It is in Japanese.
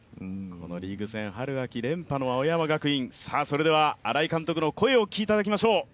このリーグ戦春秋連覇の青山学院、それでは、新井監督の声をお聞きいただきましょう。